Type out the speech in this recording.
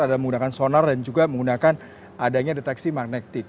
ada menggunakan sonar dan juga menggunakan adanya deteksi magnetik